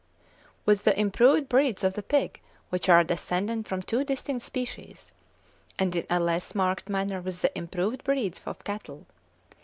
with the improved breeds of the pig, which are descended from two distinct species; and in a less marked manner with the improved breeds of cattle.